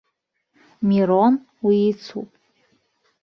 Мирон уицуп.